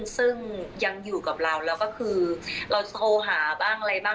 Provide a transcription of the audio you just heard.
ซึ่งยังอยู่กับเราแล้วก็คือเราโทรหาบ้างอะไรบ้าง